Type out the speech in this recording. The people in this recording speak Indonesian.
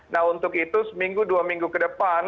nah untuk itu seminggu dua minggu ke depan